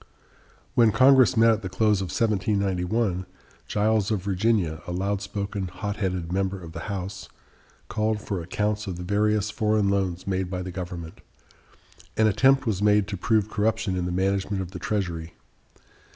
When Congress met at the close of 1791, Giles of Virginia, a loud spoken, hot headed member of the House, called for accounts of the various foreign loans made by the government. An attempt was made to prove corruption in the management of the Treasury.